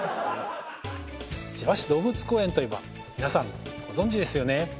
千葉市動物公園といえば皆さんご存じですよね